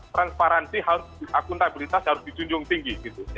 transparansi akuntabilitas harus dijunjung tinggi